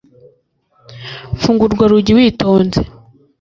funga urwo rugi witonze